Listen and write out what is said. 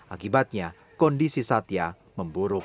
akibatnya kondisi satya memburuk